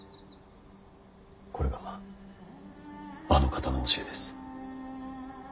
これがあの方の教えです。